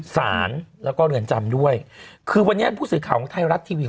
สารแล้วก็เรือนจำด้วยคือวันนี้ผู้สื่อข่าวของไทยรัฐทีวี